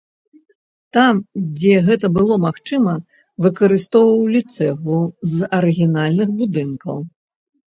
Там, дзе гэта было магчыма, выкарыстоўвалі цэглу з арыгінальных будынкаў.